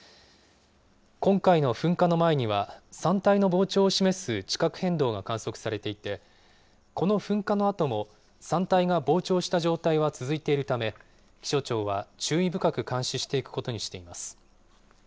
今回の噴火の前には、山体の膨張を示す地殻変動が観測されていて、この噴火のあとも山体が膨張した状態は続いているため、気象庁は注意深く監視していくことになります。